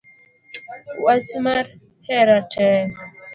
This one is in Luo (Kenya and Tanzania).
Wach mar hera tek